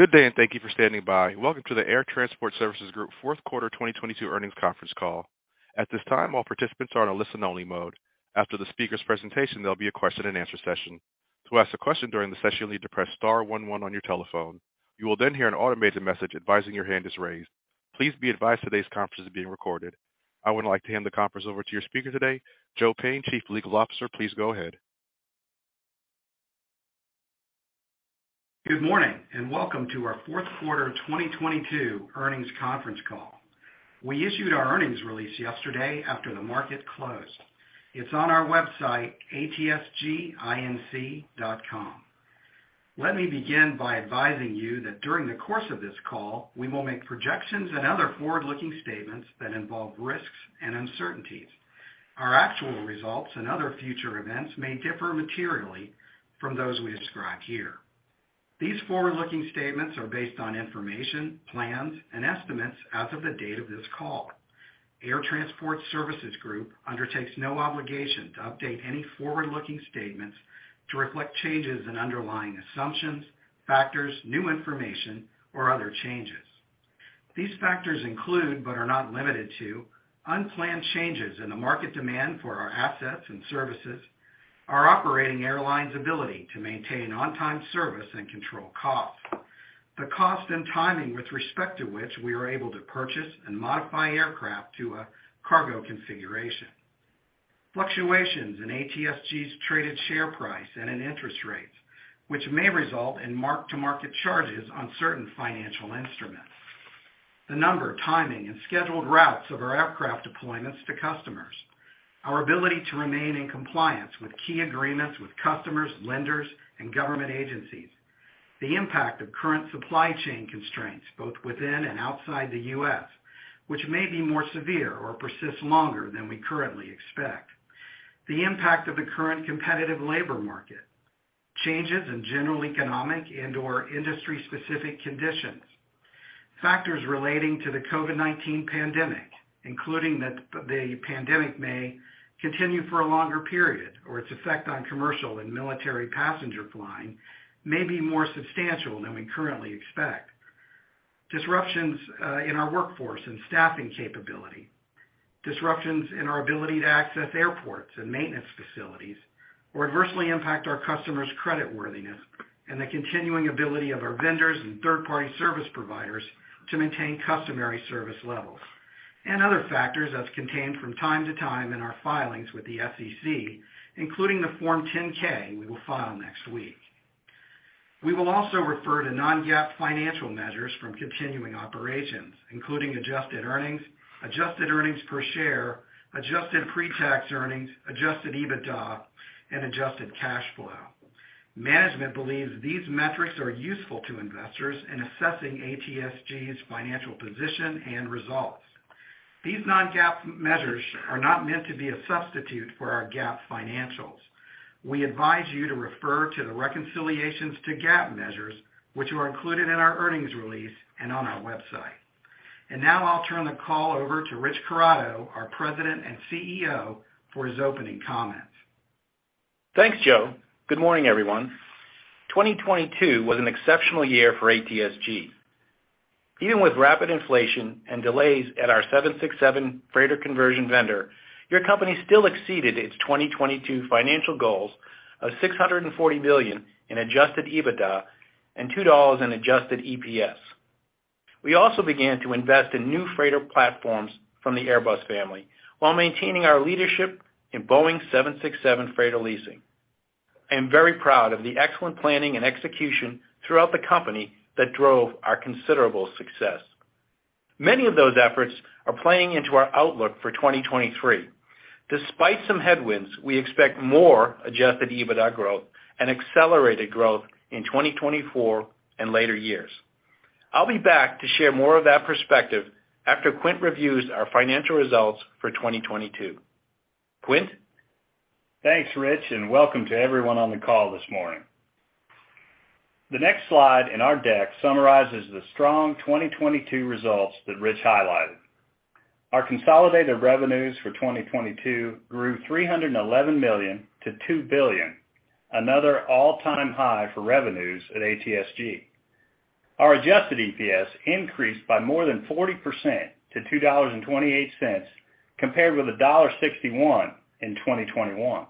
Good day, and thank you for standing by. Welcome to the Air Transport Services Group fourth quarter 2022 earnings conference call. At this time, all participants are in a listen only mode. After the speaker's presentation, there'll be a question and answer session. To ask a question during the session, you'll need to press star one one on your telephone. You will then hear an automated message advising your hand is raised. Please be advised today's conference is being recorded. I would like to hand the conference over to your speaker today, Joe Payne, Chief Legal Officer. Please go ahead. Good morning, and welcome to our fourth quarter of 2022 earnings conference call. We issued our earnings release yesterday after the market closed. It's on our website, atsginc.com. Let me begin by advising you that during the course of this call, we will make projections and other forward-looking statements that involve risks and uncertainties. Our actual results and other future events may differ materially from those we describe here. These forward-looking statements are based on information, plans, and estimates as of the date of this call. Air Transport Services Group undertakes no obligation to update any forward-looking statements to reflect changes in underlying assumptions, factors, new information, or other changes. These factors include, but are not limited to unplanned changes in the market demand for our assets and services, our operating airline's ability to maintain on-time service and control costs. The cost and timing with respect to which we are able to purchase and modify aircraft to a cargo configuration. Fluctuations in ATSG's traded share price and in interest rates, which may result in mark-to-market charges on certain financial instruments. The number, timing, and scheduled routes of our aircraft deployments to customers. Our ability to remain in compliance with key agreements with customers, lenders, and government agencies. The impact of current supply chain constraints, both within and outside the U.S., which may be more severe or persist longer than we currently expect. The impact of the current competitive labor market. Changes in general economic and/or industry-specific conditions. Factors relating to the COVID-19 pandemic, including that the pandemic may continue for a longer period or its effect on commercial and military passenger flying may be more substantial than we currently expect. Disruptions in our workforce and staffing capability. Disruptions in our ability to access airports and maintenance facilities or adversely impact our customers' creditworthiness and the continuing ability of our vendors and third-party service providers to maintain customary service levels. Other factors as contained from time to time in our filings with the SEC, including the Form 10-K we will file next week. We will also refer to non-GAAP financial measures from continuing operations, including adjusted earnings, adjusted earnings per share, adjusted pre-tax earnings, Adjusted EBITDA, and adjusted cash flow. Management believes these metrics are useful to investors in assessing ATSG's financial position and results. These non-GAAP measures are not meant to be a substitute for our GAAP financials. We advise you to refer to the reconciliations to GAAP measures, which are included in our earnings release and on our website. Now I'll turn the call over to Rich Corrado, our President and CEO, for his opening comments. Thanks, Joe. Good morning, everyone. 2022 was an exceptional year for ATSG. Even with rapid inflation and delays at our 767 freighter conversion vendor, your company still exceeded its 2022 financial goals of $640 million in Adjusted EBITDA and $2 in adjusted EPS. We also began to invest in new freighter platforms from the Airbus family while maintaining our leadership in Boeing 767 freighter leasing. I am very proud of the excellent planning and execution throughout the company that drove our considerable success. Many of those efforts are playing into our outlook for 2023. Despite some headwinds, we expect more Adjusted EBITDA growth and accelerated growth in 2024 and later years. I'll be back to share more of that perspective after Quint reviews our financial results for 2022. Quint? Thanks, Rich, and welcome to everyone on the call this morning. The next slide in our deck summarizes the strong 2022 results that Rich highlighted. Our consolidated revenues for 2022 grew $311 million to $2 billion, another all-time high for revenues at ATSG. Our adjusted EPS increased by more than 40% to $2.28 compared with $1.61 in 2021.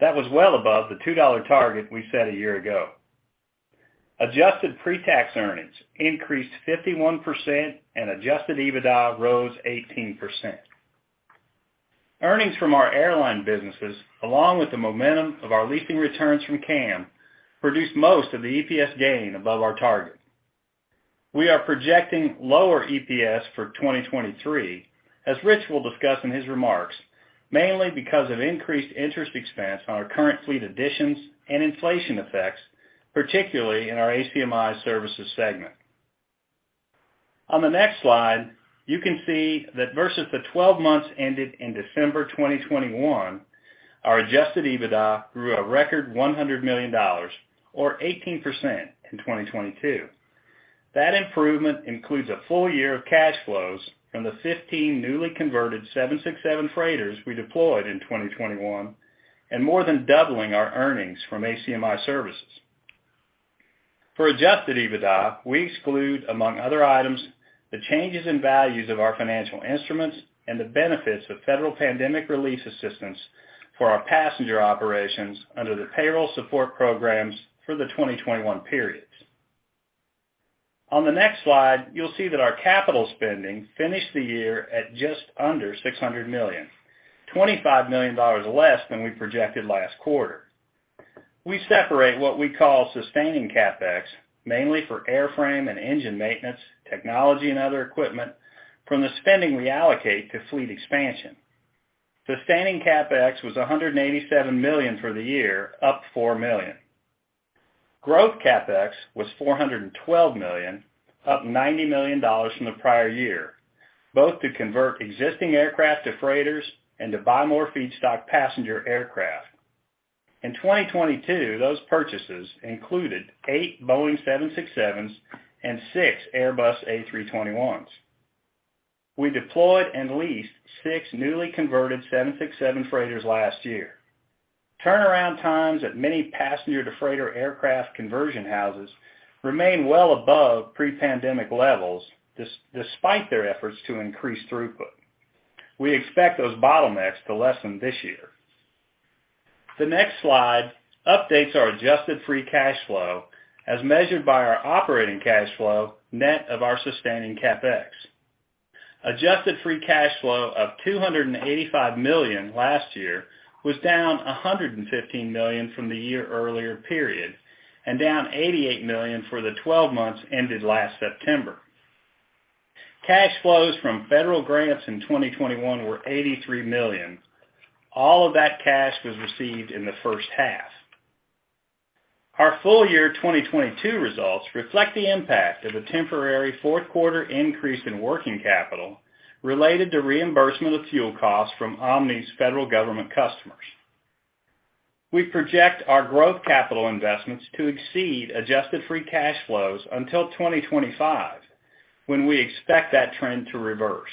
That was well above the $2 target we set a year ago. Adjusted pre-tax earnings increased 51% and Adjusted EBITDA rose 18%. Earnings from our airline businesses, along with the momentum of our leasing returns from CAM, produced most of the EPS gain above our target. We are projecting lower EPS for 2023, as Rich will discuss in his remarks, mainly because of increased interest expense on our current fleet additions and inflation effects, particularly in our ACMI services segment. On the next slide, you can see that versus the 12 months ended in December 2021, our Adjusted EBITDA grew a record $100 million or 18% in 2022. That improvement includes a full year of cash flows from the 15 newly converted 767 freighters we deployed in 2021 and more than doubling our earnings from ACMI services. For Adjusted EBITDA, we exclude, among other items, the changes in values of our financial instruments and the benefits of federal pandemic relief assistance for our passenger operations under the Payroll Support Programs for the 2021 periods. On the next slide, you'll see that our capital spending finished the year at just under $600 million, $25 million less than we projected last quarter. We separate what we call sustaining CapEx, mainly for airframe and engine maintenance, technology and other equipment from the spending we allocate to fleet expansion. Sustaining CapEx was $187 million for the year, up $4 million. Growth CapEx was $412 million, up $90 million from the prior year, both to convert existing aircraft to freighters and to buy more feedstock passenger aircraft. In 2022, those purchases included eight Boeing 767s and six Airbus A321s. We deployed and leased six newly converted 767 freighters last year. Turnaround times at many passenger to freighter aircraft conversion houses remain well above pre-pandemic levels, despite their efforts to increase throughput. We expect those bottlenecks to lessen this year. The next slide updates our adjusted free cash flow as measured by our operating cash flow net of our sustaining CapEx. Adjusted free cash flow of $285 million last year was down $115 million from the year earlier period, and down $88 million for the 12 months ended last September. Cash flows from federal grants in 2021 were $83 million. All of that cash was received in the first half. Our full year 2022 results reflect the impact of a temporary fourth quarter increase in working capital related to reimbursement of fuel costs from Omni's federal government customers. We project our growth capital investments to exceed adjusted free cash flows until 2025, when we expect that trend to reverse.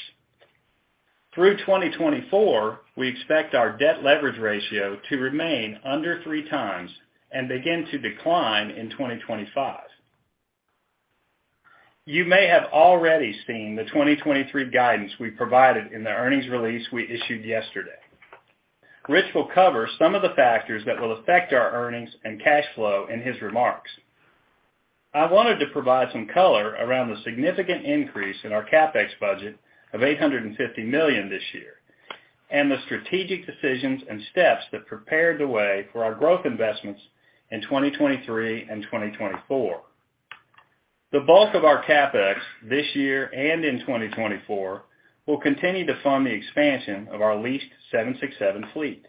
Through 2024, we expect our debt leverage ratio to remain under three times and begin to decline in 2025. You may have already seen the 2023 guidance we provided in the earnings release we issued yesterday. Rich will cover some of the factors that will affect our earnings and cash flow in his remarks. I wanted to provide some color around the significant increase in our CapEx budget of $850 million this year, and the strategic decisions and steps that prepared the way for our growth investments in 2023 and 2024. The bulk of our CapEx this year and in 2024 will continue to fund the expansion of our leased 767 fleet.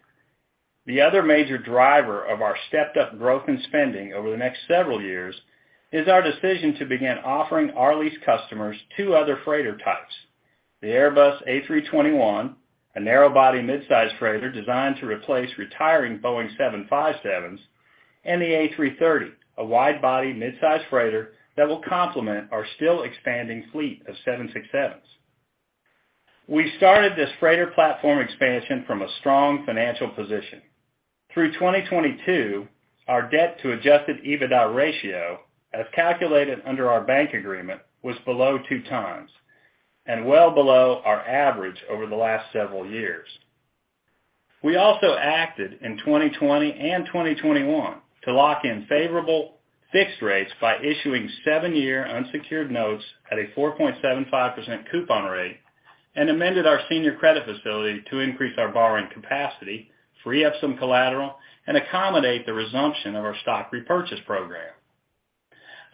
The other major driver of our stepped up growth in spending over the next several years is our decision to begin offering our lease customers two other freighter types: the Airbus A321, a narrow-body mid-size freighter designed to replace retiring Boeing 757s, and the A330, a wide-body mid-size freighter that will complement our still expanding fleet of 767s. We started this freighter platform expansion from a strong financial position. Through 2022, our debt to Adjusted EBITDA ratio, as calculated under our bank agreement, was below two times and well below our average over the last several years. We also acted in 2020 and 2021 to lock in favorable fixed rates by issuing seven-year unsecured notes at a 4.75% coupon rate, and amended our senior credit facility to increase our borrowing capacity, free up some collateral, and accommodate the resumption of our stock repurchase program.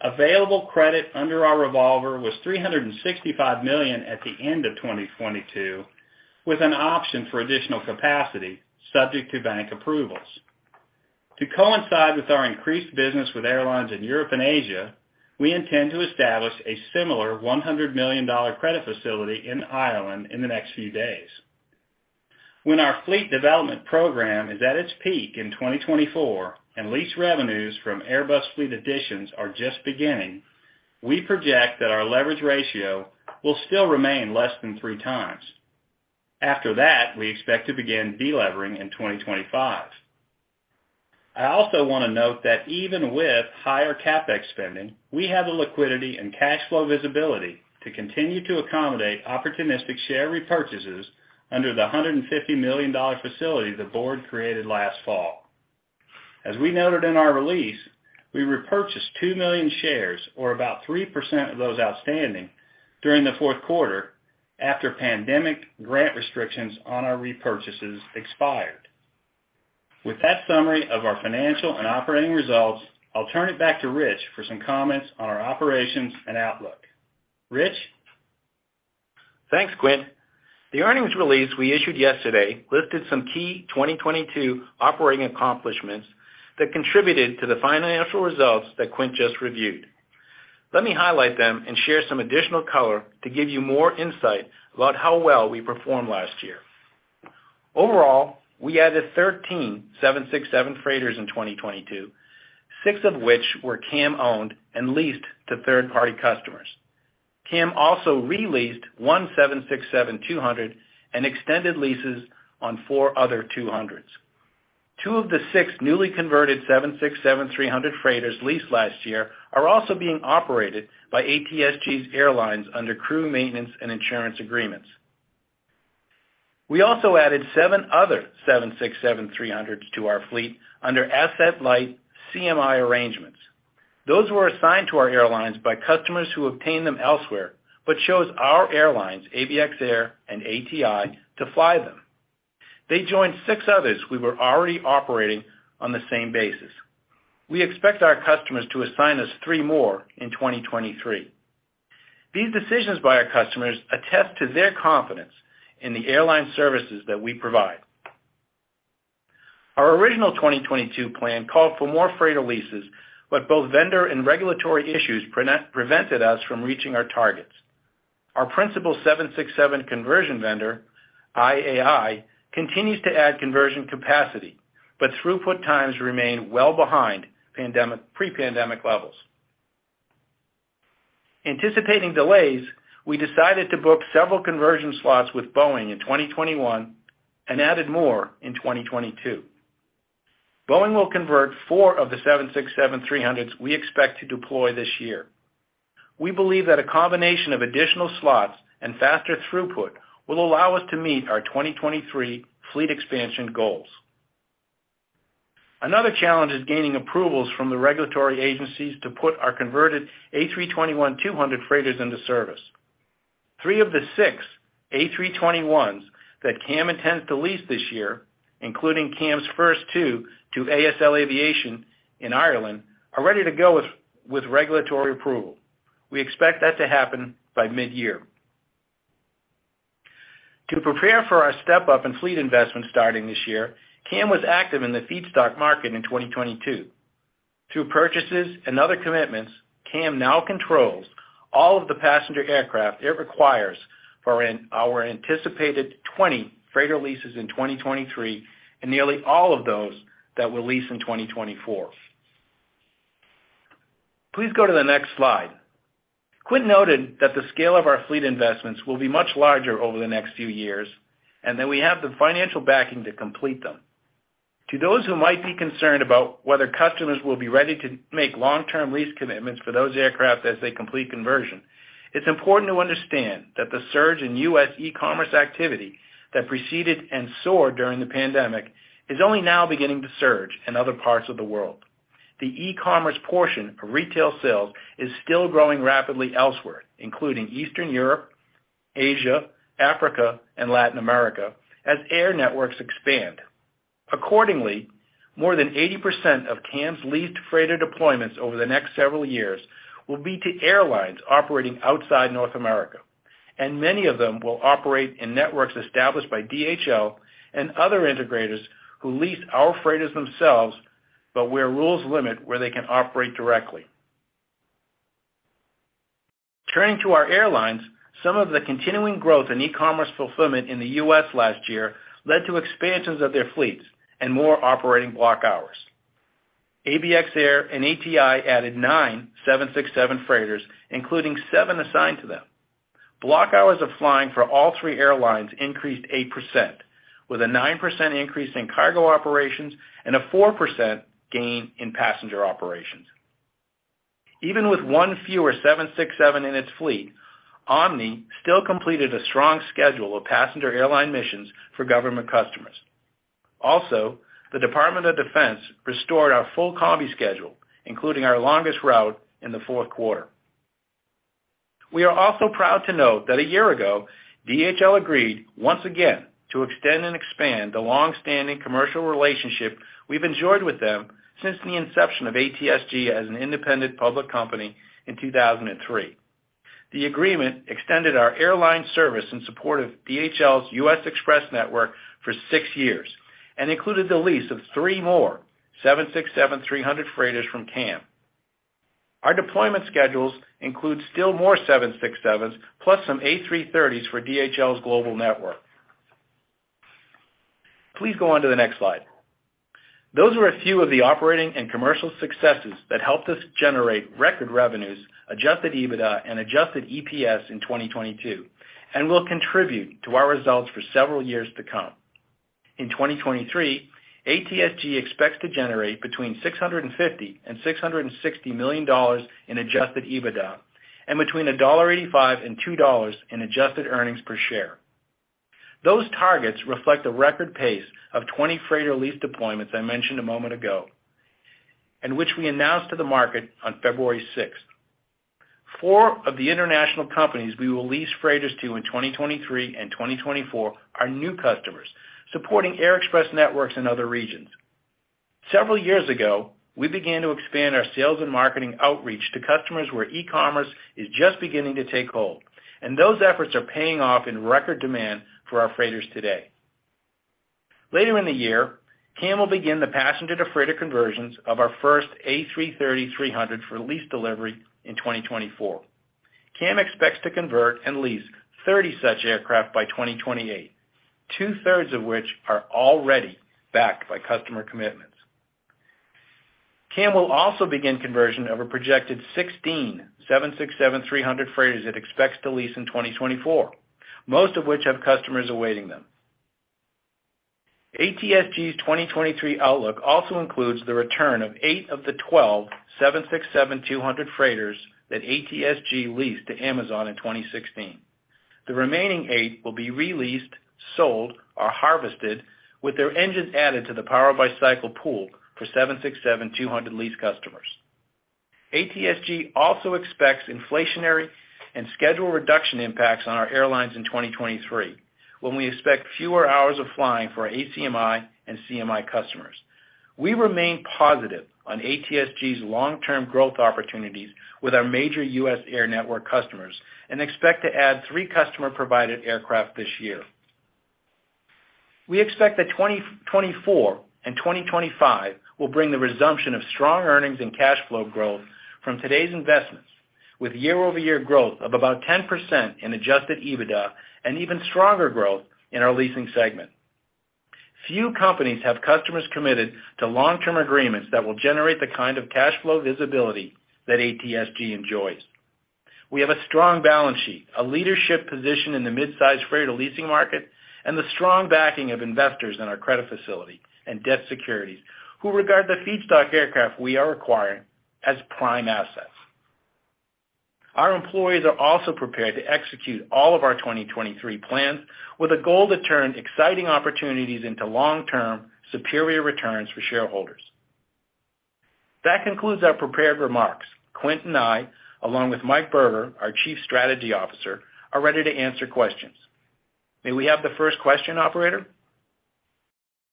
Available credit under our revolver was $365 million at the end of 2022, with an option for additional capacity subject to bank approvals. To coincide with our increased business with airlines in Europe and Asia, we intend to establish a similar $100 million credit facility in Ireland in the next few days. When our fleet development program is at its peak in 2024 and lease revenues from Airbus fleet additions are just beginning, we project that our leverage ratio will still remain less than three times. After that, we expect to begin delevering in 2025. I also wanna note that even with higher CapEx spending, we have the liquidity and cash flow visibility to continue to accommodate opportunistic share repurchases under the $150 million facility the board created last fall. As we noted in our release, we repurchased 2 million shares, or about 3% of those outstanding, during the fourth quarter after pandemic grant restrictions on our repurchases expired. With that summary of our financial and operating results, I'll turn it back to Rich for some comments on our operations and outlook. Rich? Thanks, Quint. The earnings release we issued yesterday listed some key 2022 operating accomplishments that contributed to the financial results that Quint just reviewed. Let me highlight them and share some additional color to give you more insight about how well we performed last year. Overall, we added 13 767 freighters in 2022, six of which were CAM-owned and leased to third-party customers. CAM also re-leased one 767-200 and extended leases on four other 200s. Two of the six newly converted 767-300 freighters leased last year are also being operated by ATSG's airlines under crew maintenance and insurance agreements. We also added seven other 767-300s to our fleet under asset light CMI arrangements. Those were assigned to our airlines by customers who obtained them elsewhere, chose our airlines, ABX Air and ATI, to fly them. They joined six others we were already operating on the same basis. We expect our customers to assign us three more in 2023. These decisions by our customers attest to their confidence in the airline services that we provide. Our original 2022 plan called for more freighter leases, but both vendor and regulatory issues prevented us from reaching our targets. Our principal 767 conversion vendor, IAI, continues to add conversion capacity, but throughput times remain well behind pre-pandemic levels. Anticipating delays, we decided to book several conversion slots with Boeing in 2021 and added more in 2022. Boeing will convert four of the 767-300s we expect to deploy this year. We believe that a combination of additional slots and faster throughput will allow us to meet our 2023 fleet expansion goals. Another challenge is gaining approvals from the regulatory agencies to put our converted A321-200 freighters into service. Three of the six A321s that CAM intends to lease this year, including CAM's first two to ASL Aviation in Ireland, are ready to go with regulatory approval. We expect that to happen by mid-year. To prepare for our step-up in fleet investment starting this year, CAM was active in the feedstock market in 2022. Through purchases and other commitments, CAM now controls all of the passenger aircraft it requires for our anticipated 20 freighter leases in 2023, and nearly all of those that we'll lease in 2024. Please go to the next slide. Quint noted that the scale of our fleet investments will be much larger over the next few years, that we have the financial backing to complete them. To those who might be concerned about whether customers will be ready to make long-term lease commitments for those aircraft as they complete conversion, it's important to understand that the surge in U.S. e-commerce activity that preceded and soared during the pandemic is only now beginning to surge in other parts of the world. The e-commerce portion of retail sales is still growing rapidly elsewhere, including Eastern Europe, Asia, Africa, and Latin America as air networks expand. Accordingly, more than 80% of CAM's leased freighter deployments over the next several years will be to airlines operating outside North America, and many of them will operate in networks established by DHL and other integrators who lease our freighters themselves, but where rules limit where they can operate directly. Turning to our airlines, some of the continuing growth in e-commerce fulfillment in the U.S. last year led to expansions of their fleets and more operating block hours. ABX Air and ATI added 9 767 freighters, including seven assigned to them. Block hours of flying for all three airlines increased 8%, with a 9% increase in cargo operations and a 4% gain in passenger operations. Even with one fewer 767 in its fleet, Omni still completed a strong schedule of passenger airline missions for government customers. The Department of Defense restored our full combi schedule, including our longest route in the fourth quarter. We are also proud to note that a year ago, DHL agreed once again to extend and expand the long-standing commercial relationship we've enjoyed with them since the inception of ATSG as an independent public company in 2003. The agreement extended our airline service in support of DHL's U.S. Express network for six years and included the lease of three more 767-300 freighters from CAM. Our deployment schedules include still more 767s plus some A330s for DHL's global network. Please go on to the next slide. Those were a few of the operating and commercial successes that helped us generate record revenues, Adjusted EBITDA, and adjusted EPS in 2022, and will contribute to our results for several years to come. In 2023, ATSG expects to generate between $650 million and $660 million in Adjusted EBITDA and between $1.85 and $2.00 in adjusted earnings per share. Those targets reflect a record pace of 20 freighter lease deployments I mentioned a moment ago, and which we announced to the market on February 6th. Four of the international companies we will lease freighters to in 2023 and 2024 are new customers, supporting Air Express networks in other regions. Several years ago, we began to expand our sales and marketing outreach to customers where e-commerce is just beginning to take hold, and those efforts are paying off in record demand for our freighters today. Later in the year, CAM will begin the passenger-to-freighter conversions of our first A330-300 for lease delivery in 2024. CAM expects to convert and lease 30 such aircraft by 2028, 2/3 of which are already backed by customer commitments. CAM will also begin conversion of a projected 16 767-300 freighters it expects to lease in 2024, most of which have customers awaiting them. ATSG's 2023 outlook also includes the return of eight of the 12 767-200 freighters that ATSG leased to Amazon in 2016. The remaining eight will be re-leased, sold, or harvested, with their engines added to the power-by-the-cycle pool for 767-200 lease customers. ATSG also expects inflationary and schedule reduction impacts on our airlines in 2023, when we expect fewer hours of flying for our ACMI and CMI customers. We remain positive on ATSG's long-term growth opportunities with our major U.S. air network customers and expect to add three customer-provided aircraft this year. We expect that 2024 and 2025 will bring the resumption of strong earnings and cash flow growth from today's investments, with year-over-year growth of about 10% in Adjusted EBITDA and even stronger growth in our leasing segment. Few companies have customers committed to long-term agreements that will generate the kind of cash flow visibility that ATSG enjoys. We have a strong balance sheet, a leadership position in the mid-sized freighter leasing market, and the strong backing of investors in our credit facility and debt securities who regard the feedstock aircraft we are acquiring as prime assets. Our employees are also prepared to execute all of our 2023 plans with a goal to turn exciting opportunities into long-term superior returns for shareholders. That concludes our prepared remarks. Quint and I, along with Mike Berger, our Chief Strategy Officer, are ready to answer questions. May we have the first question, operator?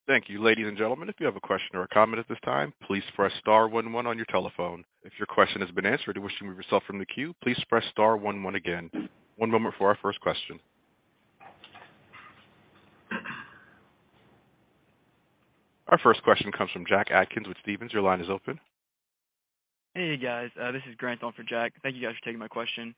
Thank you. Ladies and gentlemen, if you have a question or a comment at this time, please press star one one on your telephone. If your question has been answered or you wish to remove yourself from the queue, please press star one one again. One moment for our first question. Our first question comes from Jack Atkins with Stephens. Your line is open. Hey, guys. This is Grant on for Jack. Thank you guys for taking my question.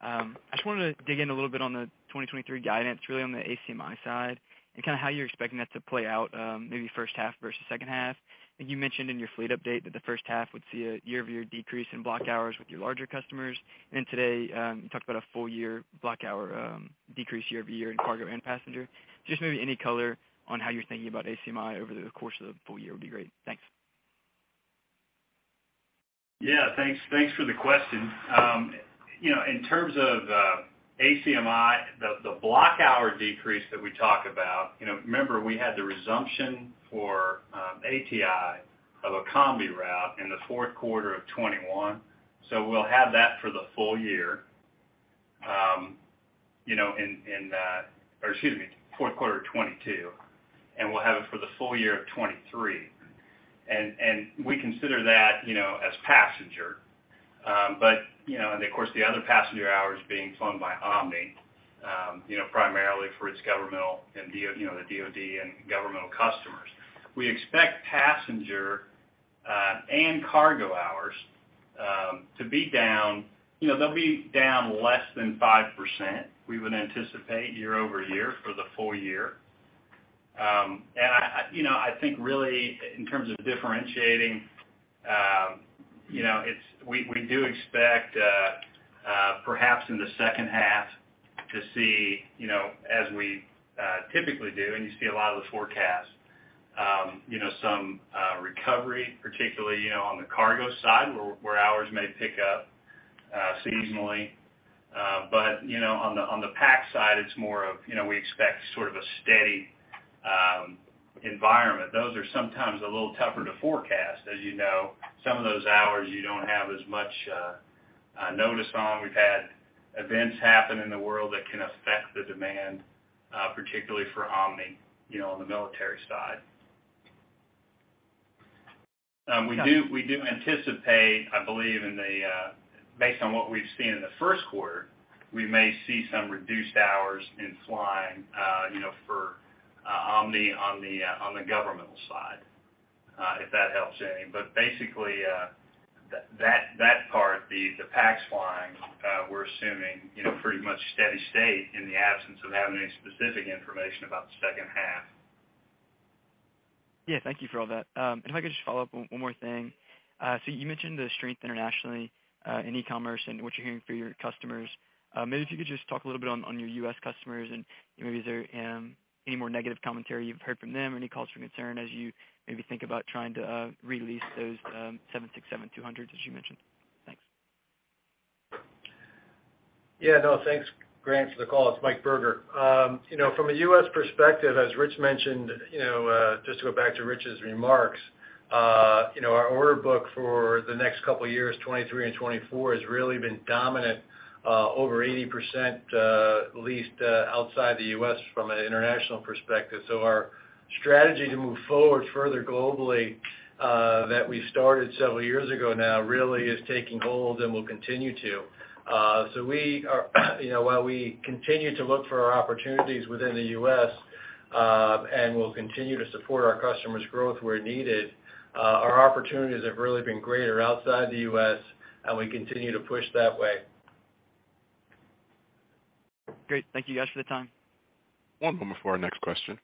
I just wanted to dig in a little bit on the 2023 guidance, really on the ACMI side and kind of how you're expecting that to play out, maybe first half versus second half. I think you mentioned in your fleet update that the first half would see a year-over-year decrease in block hours with your larger customers. Today, you talked about a full year block hour decrease year-over-year in cargo and passenger. Just maybe any color on how you're thinking about ACMI over the course of the full year would be great. Thanks. Thanks, thanks for the question. You know, in terms of ACMI, the block hour decrease that we talk about, you know, remember, we had the resumption for ATI of a combi route in the fourth quarter of 2021. We'll have that for the full year. Or excuse me, fourth quarter of 2022, and we'll have it for the full year of 2023. We consider that, you know, as passenger. You know, and of course, the other passenger hours being flown by Omni, you know, primarily for its governmental and the, you know, the DOD and governmental customers. We expect passenger and cargo hours to be down. You know, they'll be down less than 5%, we would anticipate year-over-year for the full year. I, you know, I think really in terms of differentiating, you know, we do expect perhaps in the second half to see, you know, as we typically do, and you see a lot of the forecasts, you know, some recovery, particularly, you know, on the cargo side where hours may pick up seasonally. You know, on the PAC side, it's more of, you know, we expect sort of a steady environment. Those are sometimes a little tougher to forecast. As you know, some of those hours you don't have as much notice on. We've had events happen in the world that can affect the demand, particularly for Omni, you know, on the military side. We do anticipate, I believe, in the, based on what we've seen in the first quarter, we may see some reduced hours in flying, you know, for Omni on the governmental side, if that helps any. Basically, that part, the PAC flying, we're assuming, you know, pretty much steady state in the absence of having any specific information about the second half. Yeah. Thank you for all that. If I could just follow up one more thing. You mentioned the strength internationally, in e-commerce and what you're hearing from your customers. Maybe if you could just talk a little bit on your U.S. customers and, you know, maybe is there any more negative commentary you've heard from them or any calls for concern as you maybe think about trying to re-lease those, 767-200s, as you mentioned? Thanks. Yeah. No, thanks, Grant, for the call. It's Mike Berger. You know, from a U.S. perspective, as Rich mentioned, you know, just to go back to Rich's remarks, you know, our order book for the next couple years, 2023 and 2024, has really been dominant, over 80%, leased outside the U.S. from an international perspective. Our strategy to move forward further globally that we started several years ago now really is taking hold and will continue to. We are, you know, while we continue to look for our opportunities within the U.S., and we'll continue to support our customers' growth where needed, our opportunities have really been greater outside the U.S., and we continue to push that way. Great. Thank you guys for the time. One moment for our next question.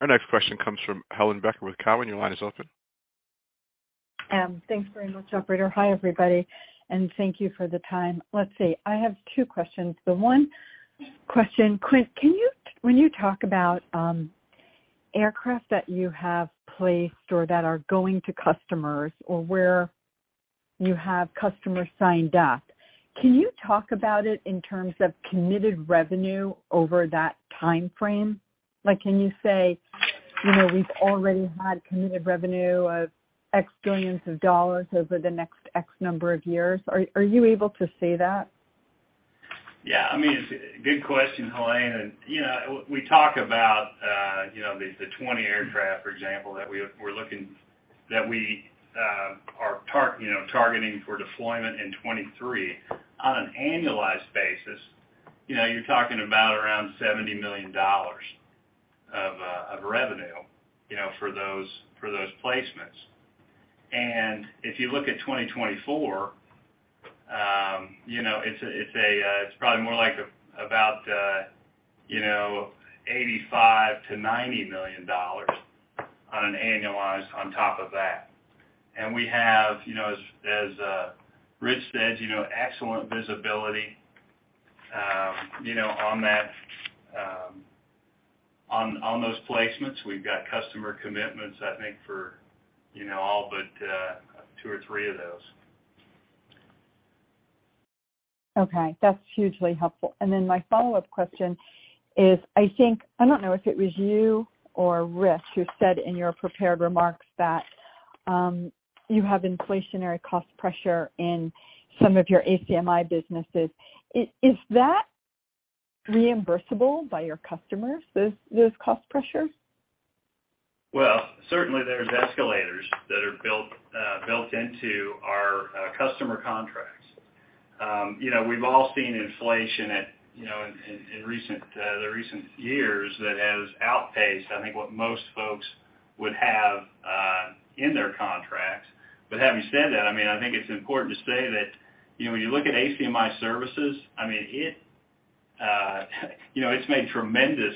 Our next question comes from Helane Becker with Cowen. Your line is open. Thanks very much, operator. Hi, everybody, thank you for the time. Let's see. I have two questions. The one question, Quint, when you talk about aircraft that you have placed or that are going to customers or where you have customers signed up, can you talk about it in terms of committed revenue over that timeframe? Like, can you say, you know, we've already had committed revenue of X billion of dollar over the next X number of years? Are you able to say that? Yeah. I mean, it's a good question, Helane. I mean, you know, we talk about, you know, the 20 aircraft, for example, that we are targeting for deployment in 2023. On an annualized basis, you know, you're talking about around $70 million of revenue, you know, for those, for those placements. If you look at 2024, you know, it's a, it's probably more like about, you know, $85 million-$90 million on an annualized on top of that. We have, you know, as Rich said, you know, excellent visibility, you know, on that, on those placements. We've got customer commitments, I think, for, you know, all but two or three of those. Okay. That's hugely helpful. My follow-up question is, I think, I don't know if it was you or Rich who said in your prepared remarks that you have inflationary cost pressure in some of your ACMI businesses. Is that reimbursable by your customers, those cost pressures? Well, certainly there's escalators that are built into our customer contracts. You know, we've all seen inflation at, you know, in recent years that has outpaced, I think, what most folks would have in their contracts. Having said that, I mean, I think it's important to say that, you know, when you look at ACMI services, I mean, it, you know, it's made tremendous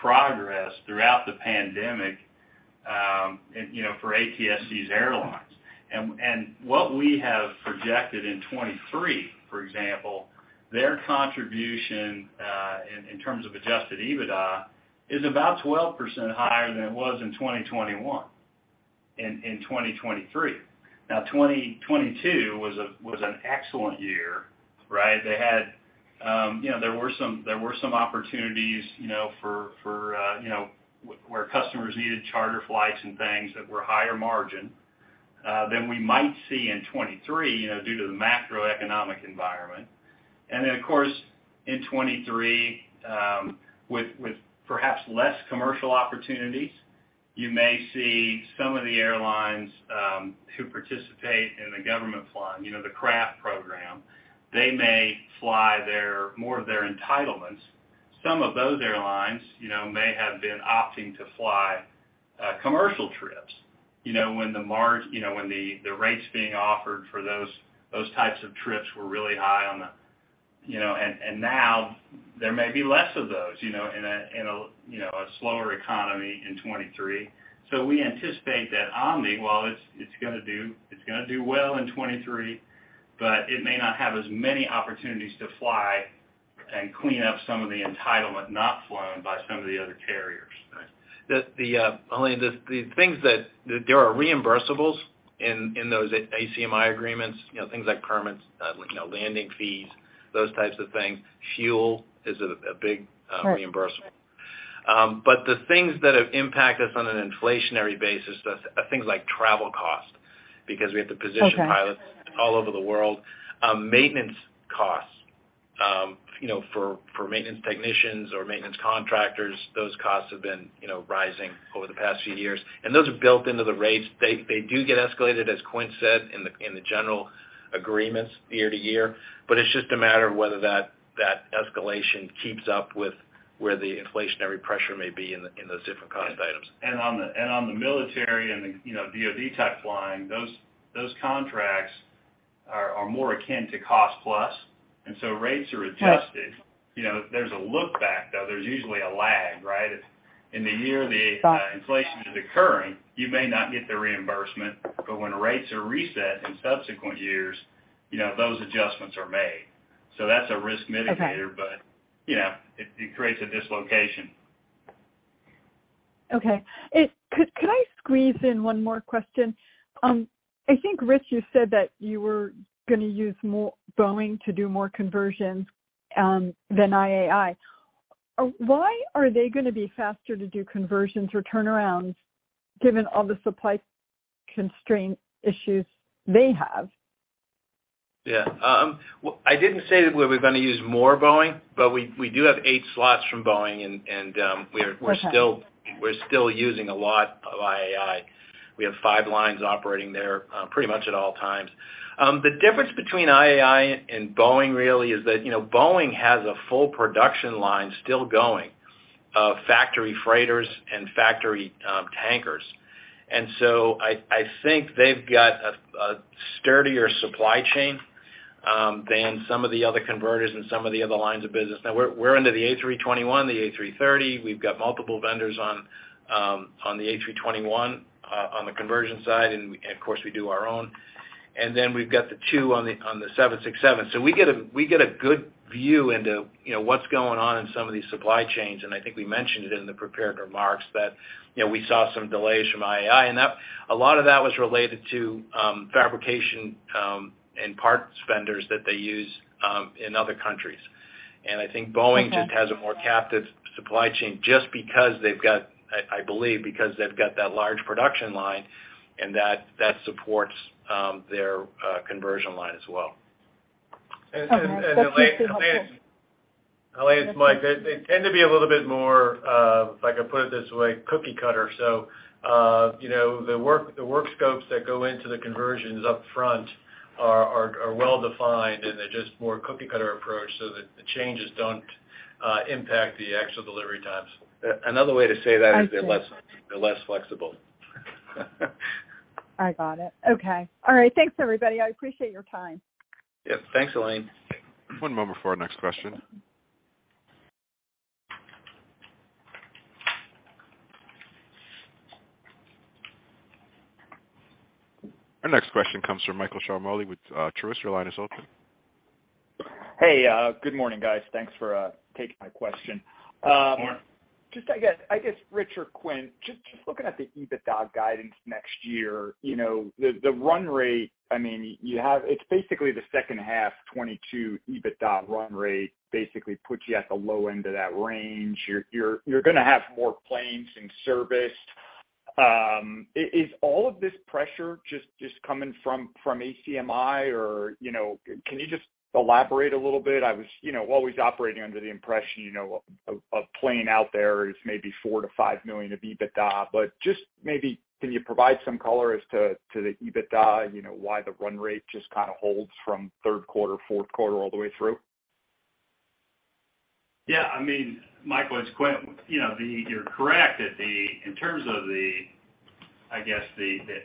progress throughout the pandemic, and, you know, for ATSG's airlines. What we have projected in 2023, for example, their contribution, in terms of Adjusted EBITDA is about 12% higher than it was in 2021, in 2023. 2022 was an excellent year, right? They had, you know, there were some, there were some opportunities, you know, for where customers needed charter flights and things that were higher margin than we might see in 2023, you know, due to the macroeconomic environment. Of course, in 2023, perhaps less commercial opportunities, you may see some of the airlines who participate in the government flying, you know, the CRAF program, they may fly their, more of their entitlements. Some of those airlines, you know, may have been opting to fly commercial trips, you know. When the, you know, when the rates being offered for those types of trips were really high. You know, now there may be less of those, you know, in a, you know, a slower economy in 2023. We anticipate that Omni, while it's gonna do well in 2023, but it may not have as many opportunities to fly and clean up some of the entitlement not flown by some of the other carriers. Right. The only things that there are reimbursables in those ACMI agreements, you know, things like permits, you know, landing fees, those types of things. Fuel is a big reimbursable. The things that have impacted us on an inflationary basis are things like travel cost, because we have to. Okay. Pilots all over the world. Maintenance costs, you know. For maintenance technicians or maintenance contractors, those costs have been, you know, rising over the past few years. Those are built into the rates. They do get escalated, as Quint said, in the general agreements year to year, it's just a matter of whether that escalation keeps up with where the inflationary pressure may be in those different cost items. On the military and the, you know, DOD type flying, those contracts are more akin to cost-plus, and so rates are adjusted. Right. You know, there's a look back, though. There's usually a lag, right? If in the year the inflation is occurring, you may not get the reimbursement, but when rates are reset in subsequent years, you know, those adjustments are made. That's a risk mitigator. Okay. You know, it creates a dislocation. Okay. Could I squeeze in one more question? I think, Rich, you said that you were gonna use more Boeing to do more conversions than IAI. Why are they gonna be faster to do conversions or turnarounds given all the supply constraint issues they have? Yeah. I didn't say that we were gonna use more Boeing, but we do have eight slots from Boeing. Okay. We're still using a lot of IAI. We have five lines operating there, pretty much at all times. The difference between IAI and Boeing really is that, you know, Boeing has a full production line still going of factory freighters and factory tankers. I think they've got a sturdier supply chain than some of the other converters and some of the other lines of business. Now we're into the A321, the A330. We've got multiple vendors on the A321 on the conversion side, and of course, we do our own. We've got the two on the 767. We get a good view into, you know, what's going on in some of these supply chains, and I think we mentioned it in the prepared remarks that, you know, we saw some delays from IAI. That a lot of that was related to fabrication and parts vendors that they use in other countries. I think Boeing just has a more captive supply chain just because I believe because they've got that large production line, and that supports their conversion line as well. Okay. That's useful. Helane, it's Mike. They tend to be a little bit more, if I could put it this way, cookie cutter. You know, the work scopes that go into the conversions up front are well-defined, and they're just more cookie cutter approach so that the changes don't impact the actual delivery times. Another way to say that is they're less flexible. I got it. Okay. All right. Thanks, everybody. I appreciate your time. Yep. Thanks, Helane. One moment for our next question. Our next question comes from Michael Ciarmoli with Truist. Your line is open. Hey, good morning, guys. Thanks for taking my question. Good morning. Just I guess, Rich or Quint, just looking at the EBITDA guidance next year. You know, the run rate, I mean, it's basically the second half 2022 EBITDA run rate basically puts you at the low end of that range. You're gonna have more planes in service. Is all of this pressure just coming from ACMI? Or, you know, can you just elaborate a little bit? I was, you know, always operating under the impression, you know, a plane out there is maybe $4 million-$5 million of EBITDA. Just maybe can you provide some color as to the EBITDA, you know, why the run rate just kind of holds from third quarter, fourth quarter all the way through? Yeah. I mean, Michael, it's Quint. You know, you're correct that in terms of the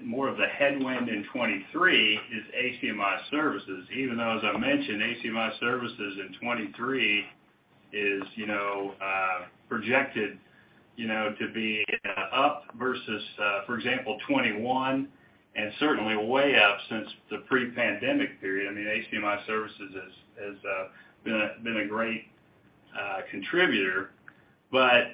more of the headwind in 2023 is ACMI services. Even though as I mentioned, ACMI services in 2023 is, you know, projected to be up versus, for example, 2021, and certainly way up since the pre-pandemic period. I mean, ACMI services has been a great contributor. But,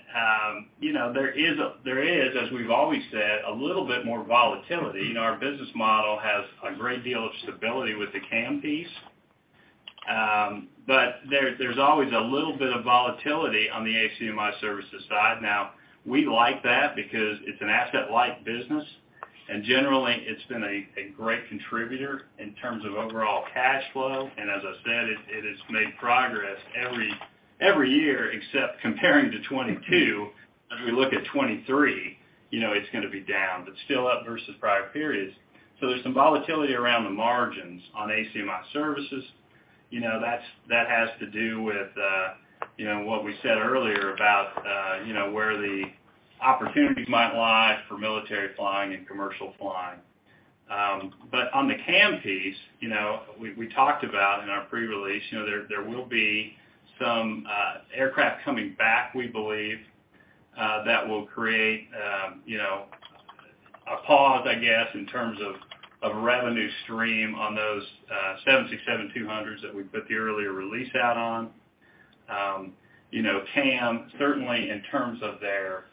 you know, there is, as we've always said, a little bit more volatility, and our business model has a great deal of stability with the CAM piece. But there's always a little bit of volatility on the ACMI services side. Now, we like that because it's an asset-light business, and generally, it's been a great contributor in terms of overall cash flow. As I said, it has made progress every year except comparing to 2022. As we look at 2023, you know, it's gonna be down, but still up versus prior periods. There's some volatility around the margins on ACMI services. You know, that has to do with, you know, what we said earlier about, you know, where the opportunities might lie for military flying and commercial flying. But on the CAM piece, you know, we talked about in our pre-release, you know, there will be some aircraft coming back, we believe, that will create, you know, a pause, I guess, in terms of revenue stream on those 767-200s that we put the earlier release out on. You know, CAM, certainly in terms of their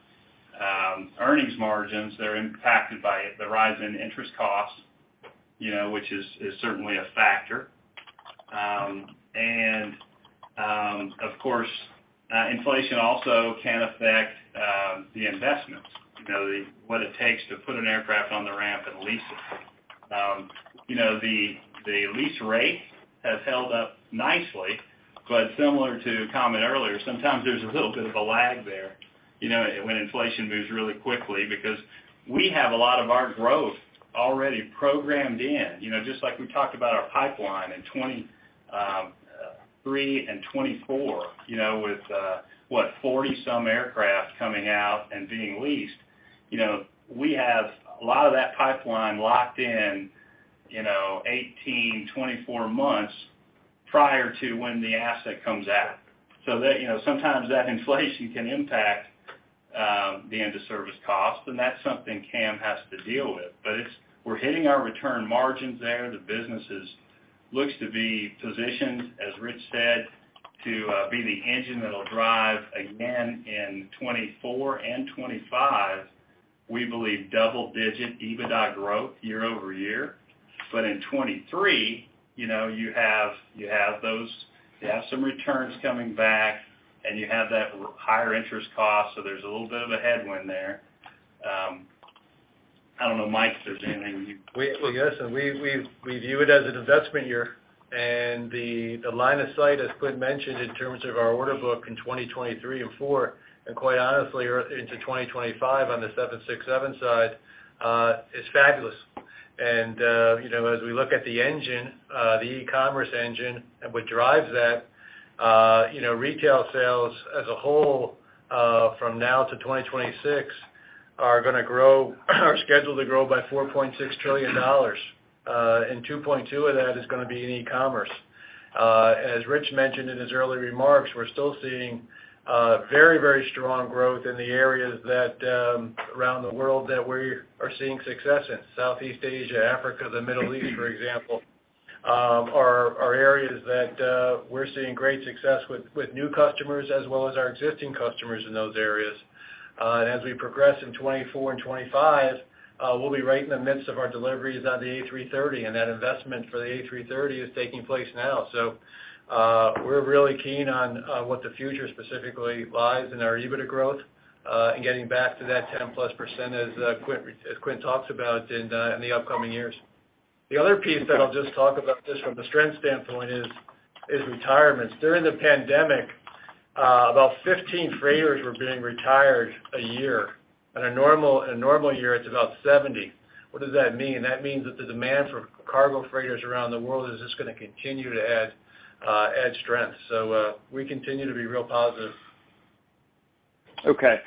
earnings margins, they're impacted by the rise in interest costs, you know, which is certainly a factor. Of course, inflation also can affect the investments. You know, what it takes to put an aircraft on the ramp and lease it. You know, the lease rate has held up nicely, but similar to a comment earlier, sometimes there's a little bit of a lag there, you know, when inflation moves really quickly, because we have a lot of our growth already programmed in. You know, just like we talked about our pipeline in 2023 and 2024, you know, with what, 40 some aircraft coming out and being leased. You know, we have a lot of that pipeline locked in, you know, 18, 24 months prior to when the asset comes out. That, you know, sometimes that inflation can impact the end-of-service cost, and that's something CAM has to deal with. We're hitting our return margins there. The businesses looks to be positioned, as Rich said, to be the engine that'll drive again in 2024 and 2025, we believe double-digit EBITDA growth year-over-year. In 2023, you know, you have those. You have some returns coming back, and you have that higher interest cost, so there's a little bit of a headwind there. I don't know, Mike, if there's anything? Yes, we view it as an investment year, the line of sight, as Quint mentioned, in terms of our order book in 2023 and 2024, quite honestly, into 2025 on the 767 side, is fabulous. You know, as we look at the engine, the e-commerce engine and what drives that, you know, retail sales as a whole, from now to 2026 are scheduled to grow by $4.6 trillion. $2.2 of that is going to be in e-commerce. As Rich mentioned in his early remarks, we're still seeing very, very strong growth in the areas that around the world that we are seeing success in. Southeast Asia, Africa, the Middle East, for example, are areas that we're seeing great success with new customers as well as our existing customers in those areas. As we progress in 2024 and 2025, we'll be right in the midst of our deliveries on the A330, and that investment for the A330 is taking place now. We're really keen on what the future specifically lies in our EBITDA growth, and getting back to that 10%+, as Quint talked about in the upcoming years. The other piece that I'll just talk about, just from a strength standpoint, is retirements. During the pandemic, about 15 freighters were being retired a year. In a normal year, it's about 70. What does that mean? That means that the demand for cargo freighters around the world is just gonna continue to add strength. We continue to be real positive. Okay.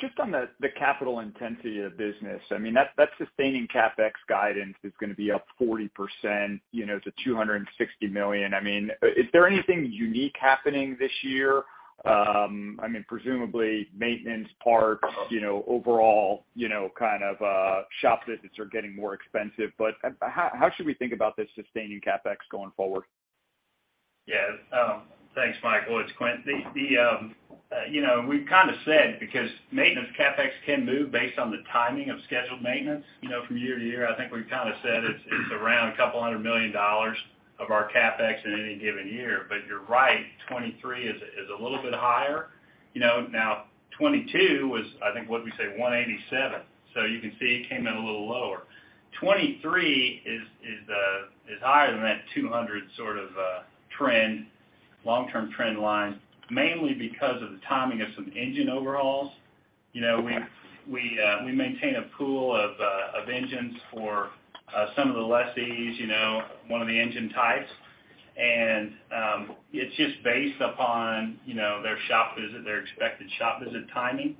Just on the capital intensity of business, that sustaining CapEx guidance is gonna be up 40%, you know, to $260 million. Is there anything unique happening this year? Presumably maintenance, parts, you know, overall, you know, kind of, shop visits are getting more expensive, but how should we think about this sustaining CapEx going forward? Yeah. Thanks, Michael. It's Quint. The, you know, we've kind of said because maintenance CapEx can move based on the timing of scheduled maintenance, you know, from year to year, I think we've kind of said it's around $200 million of our CapEx in any given year. You're right, 2023 is a little bit higher. You know, now 2022 was, I think, what'd we say? $187 million. You can see it came in a little lower. 2023 is higher than that $200 sort of trend, long-term trend line, mainly because of the timing of some engine overhauls. You know, we maintain a pool of engines for some of the lessees, you know, one of the engine types. It's just based upon, you know, their shop visit, their expected shop visit timing.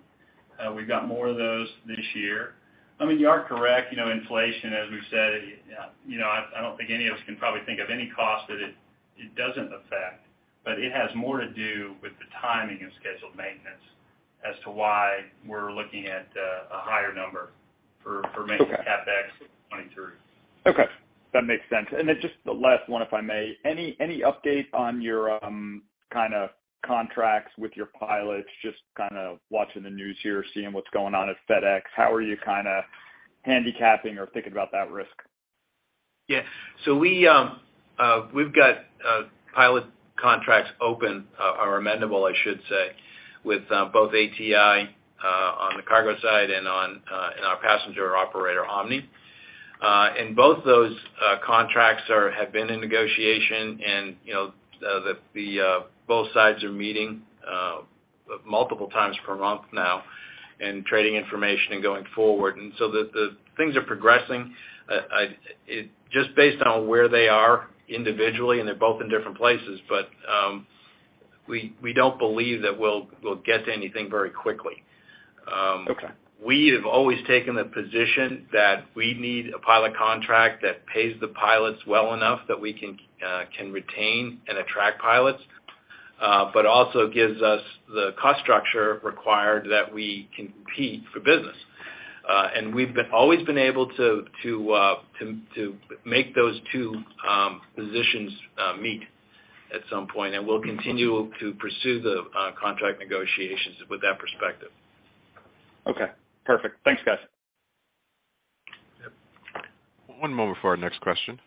We've got more of those this year. I mean, you are correct, you know, inflation, as we've said, you know, I don't think any of us can probably think of any cost that it doesn't affect. It has more to do with the timing of scheduled maintenance as to why we're looking at a higher number for maintenance CapEx 2023. Okay. That makes sense. Just the last one, if I may. Any update on your, kind of contracts with your pilots? Just kind of watching the news here, seeing what's going on at FedEx, how are you kinda handicapping or thinking about that risk? We've got pilot contracts open, or amendable, I should say, with both ATI on the cargo side and on in our passenger operator, Omni. Both those contracts have been in negotiation and, you know, the both sides are meeting multiple times per month now and trading information and going forward. The things are progressing. Just based on where they are individually, and they're both in different places, but we don't believe that we'll get to anything very quickly. Okay. We have always taken the position that we need a pilot contract that pays the pilots well enough that we can retain and attract pilots, but also gives us the cost structure required that we can compete for business. We've always been able to make those two positions meet at some point, and we'll continue to pursue the contract negotiations with that perspective. Okay. Perfect. Thanks, guys. One moment for our next question.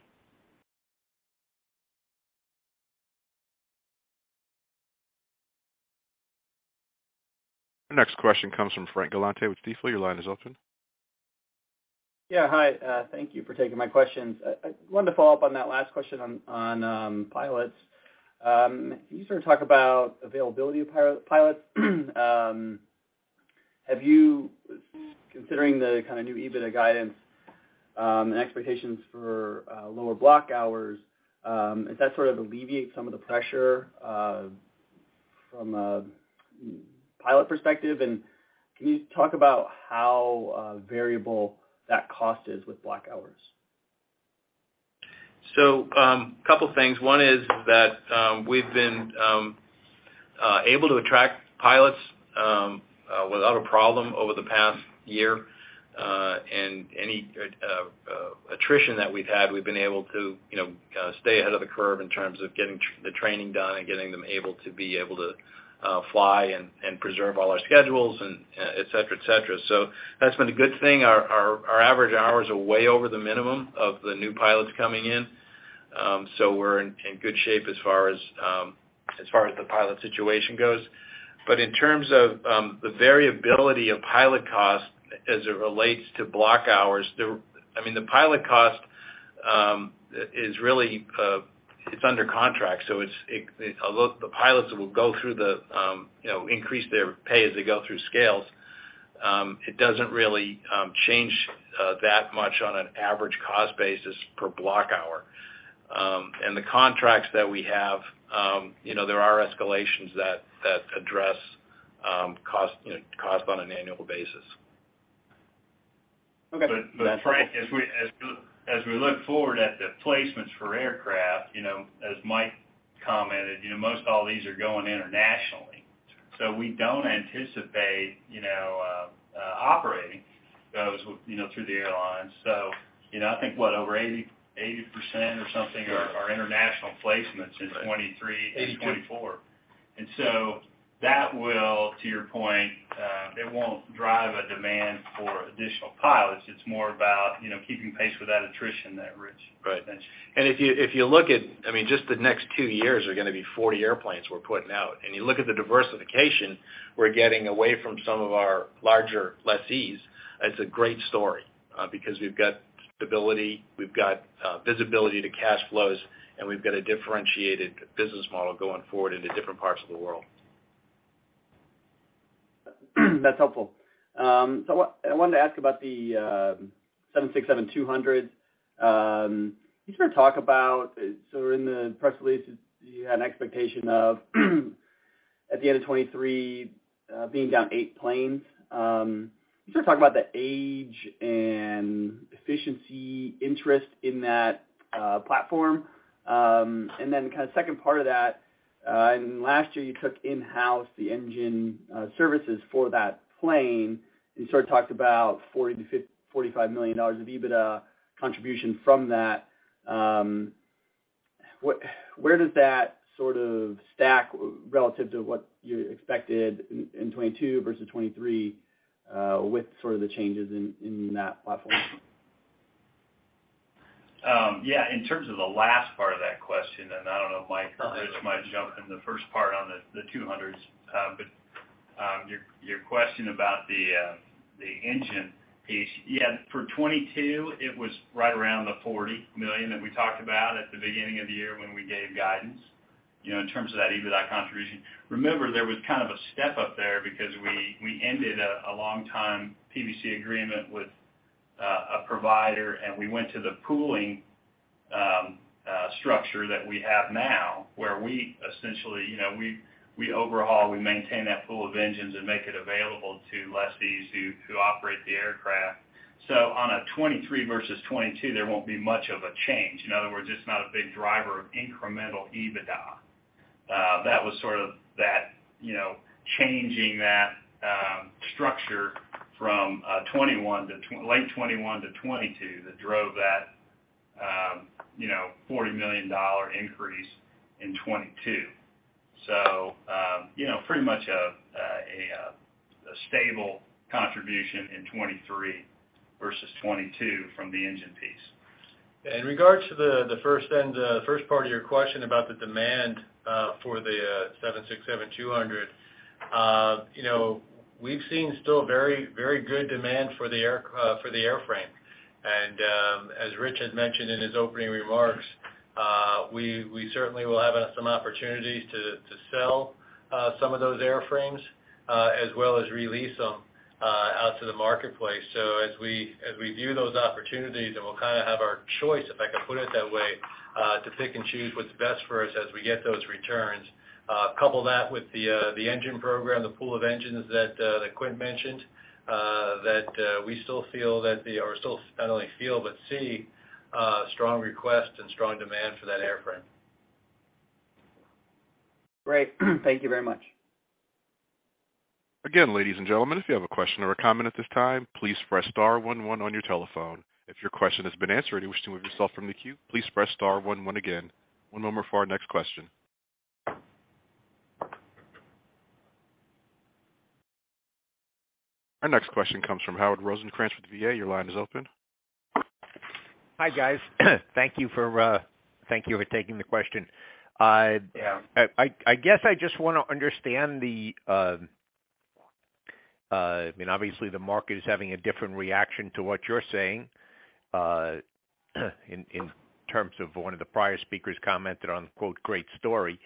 Our next question comes from Frank Galanti with Stifel. Your line is open. Yeah, hi. Thank you for taking my questions. I wanted to follow up on that last question on pilots. Can you sort of talk about availability of pilots? Have you, considering the kind of new EBITDA guidance and expectations for lower block hours, does that sort of alleviate some of the pressure from a pilot perspective? Can you talk about how variable that cost is with block hours? A couple things. One is that, we've been able to attract pilots without a problem over the past year. Any attrition that we've had, we've been able to, you know, stay ahead of the curve in terms of getting the training done and getting them able to fly and preserve all our schedules, and et cetera, et cetera. That's been a good thing. Our average hours are way over the minimum of the new pilots coming in. We're in good shape as far as far as the pilot situation goes. In terms of, the variability of pilot cost as it relates to block hours. I mean, the pilot cost is really, it's under contract, so it, although the pilots will go through the, you know, increase their pay as they go through scales, it doesn't really change that much on an average cost basis per block hour. The contracts that we have, you know, there are escalations that address cost, you know, cost on an annual basis. Okay. Frank, as we look forward at the placements for aircraft, you know, as Mike commented, you know, most all these are going internationally. We don't anticipate, you know, operating those, you know, through the airlines. You know, I think what, over 80% or something are international placements in 2023 and 2024. That will, to your point, it won't drive a demand for additional pilots. It's more about, you know, keeping pace with that attrition that Rich mentioned. Right. If you look at, I mean, just the next two years are gonna be 40 airplanes we're putting out, and you look at the diversification we're getting away from some of our larger lessees, it's a great story, because we've got stability, we've got visibility to cash flows, and we've got a differentiated business model going forward into different parts of the world. That's helpful. I wanted to ask about the 767-200. Can you sort of talk about in the press release, you had an expectation of, at the end of 2023, being down eight planes. Can you just talk about the age and efficiency interest in that platform? Kind of second part of that, last year you took in-house the engine services for that plane. You sort of talked about $40 million-$45 million of EBITDA contribution from that. Where does that sort of stack relative to what you expected in 2022 versus 2023, with sort of the changes in that platform? In terms of the last part of that question, I don't know if Mike or Rich might jump in the first part on the 200s. Your question about the engine piece. For 2022, it was right around the $40 million that we talked about at the beginning of the year when we gave guidance, you know, in terms of that EBITDA contribution. Remember, there was kind of a step-up there because we ended a long time PBC agreement with a provider, and we went to the pooling structure that we have now, where we essentially, you know, we overhaul, we maintain that pool of engines and make it available to lessees who operate the aircraft. On a 2023 versus 2022, there won't be much of a change. In other words, it's not a big driver of incremental EBITDA. That was sort of that, you know, changing that structure from 2021 to late 2021 to 2022 that drove that, you know, $40 million increase in 2022. You know, pretty much a stable contribution in 2023 versus 2022 from the engine piece. In regards to the first part of your question about the demand for the 767-200. You know, we've seen still very, very good demand for the airframe. As Rich had mentioned in his opening remarks, we certainly will have some opportunities to sell some of those airframes, as well as re-lease them out to the marketplace. As we view those opportunities, and we'll kind of have our choice, if I could put it that way, to pick and choose what's best for us as we get those returns. Couple that with the engine program, the pool of engines that Quint mentioned, that we still not only feel, but see strong requests and strong demand for that airframe. Great. Thank you very much. Again, ladies and gentlemen, if you have a question or a comment at this time, please press star one one on your telephone. If your question has been answered and you wish to remove yourself from the queue, please press star one one again. One moment for our next question. Our next question comes from Howard Rosencrans with VA. Your line is open. Hi, guys. Thank you for taking the question. Yeah. I guess I just wanna understand the, I mean, obviously, the market is having a different reaction to what you're saying, in terms of one of the prior speakers commented on quote, great story.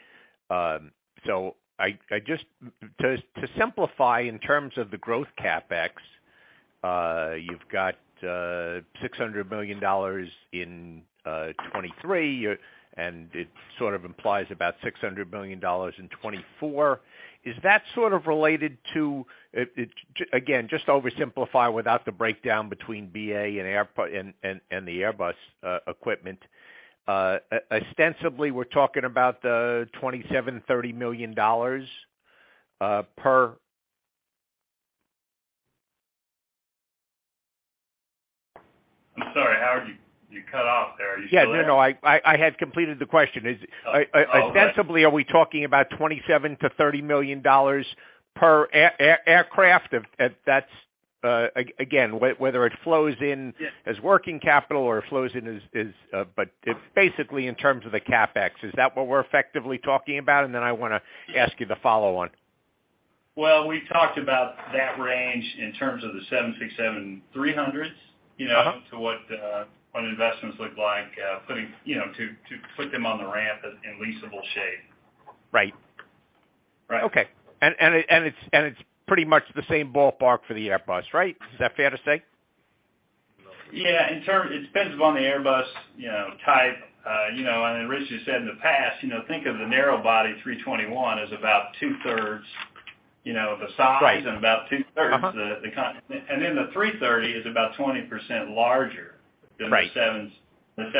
To simplify in terms of the Growth CapEx, you've got $600 million in 2023. It sort of implies about $600 million in 2024. Is that sort of related to... again, just to oversimplify without the breakdown between BA and the Airbus equipment. Ostensibly, we're talking about $27 million-$30 million per- I'm sorry, Howard, you cut off there. Are you still there? Yeah. No. I had completed the question. Oh. Oh, okay. Ostensibly, are we talking about $27 million-$30 million per aircraft? If that's again, whether it flows in. Yeah. As working capital or it flows in as, but it's basically in terms of the CapEx. Is that what we're effectively talking about? Then I wanna ask you the follow on. Well, we talked about that range in terms of the 767-300s, you know. Uh-huh. To what investments look like, putting, you know, to put them on the ramp in leasable shape. Right. Right. Okay. It's pretty much the same ballpark for the Airbus, right? Is that fair to say? Yeah. It depends upon the Airbus, you know, type. You know, Rich has said in the past, you know, think of the narrow body A321 as about two-thirds, you know, of the size. Right. About two-thirds the A330 is about 20% larger. Right. Than the 767-300. It's gonna be a part of that. At the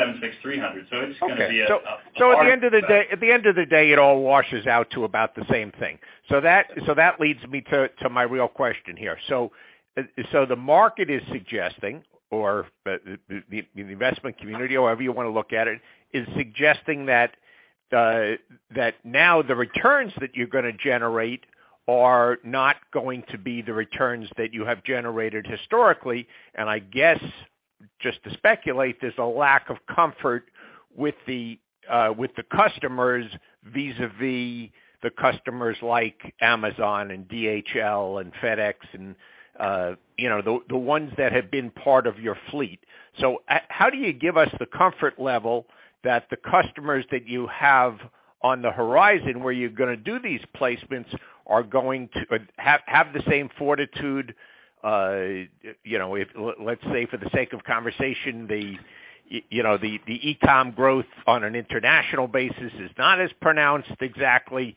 end of the day, it all washes out to about the same thing. That leads me to my real question here. The market is suggesting, or the investment community, however you wanna look at it, is suggesting that now the returns that you're gonna generate are not going to be the returns that you have generated historically. I guess, just to speculate, there's a lack of comfort with the customers, vis-à-vis the customers like Amazon and DHL and FedEx and, you know, the ones that have been part of your fleet. How do you give us the comfort level that the customers that you have on the horizon, where you're gonna do these placements, are going to have the same fortitude, you know, if let's say, for the sake of conversation, you know, the e-com growth on an international basis is not as pronounced exactly,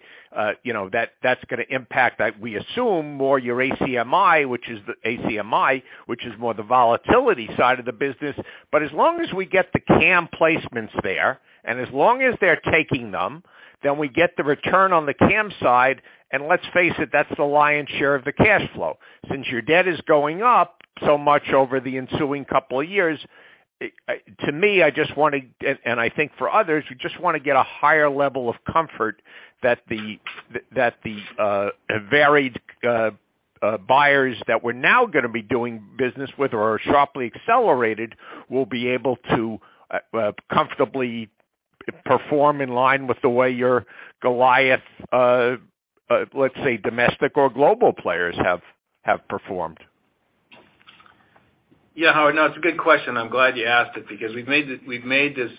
you know, that's gonna impact, we assume, more your ACMI, which is more the volatility side of the business. As long as we get the CAM placements there, and as long as they're taking them, then we get the return on the CAM side. Let's face it, that's the lion's share of the cash flow. Since your debt is going up so much over the ensuing two years, it, to me, I just wanna and I think for others, we just wanna get a higher level of comfort that the varied buyers that we're now gonna be doing business with or are sharply accelerated, will be able to comfortably perform in line with the way your Goliath, let's say, domestic or global players have performed. Howard, no, it's a good question. I'm glad you asked it because we've made this, we've handled